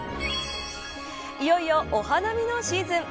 いよいよ、お花見のシーズン。